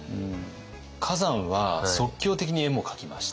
崋山は即興的に絵も描きました。